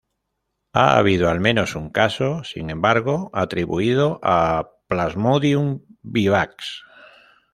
Ha habido al menos un caso, sin embargo, atribuido a "Plasmodium vivax".